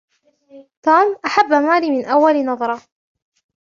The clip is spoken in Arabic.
توم احب ماري من اول نظره.